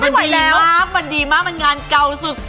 มันดีมากมันดีมากมันงานเก่าสุด